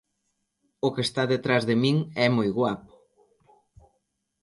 O que está detrás de min é moi guapo.